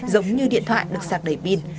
giống như điện thoại được sạc đẩy pin